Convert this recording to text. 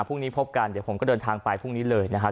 พรุ่งนี้พบกันเดี๋ยวผมก็เดินทางไปพรุ่งนี้เลยนะครับ